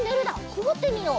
くぐってみよう。